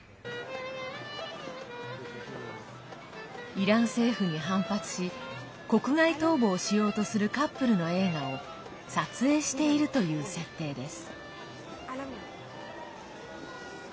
イラン政府に反発し国外逃亡しようとするカップルの映画を撮影しているという設定です。